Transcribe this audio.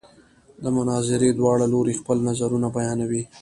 د مناظرې دواړه لوري خپل نظرونه بیانوي.